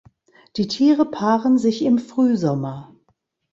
Die Tiere paaren sich im Frühsommer.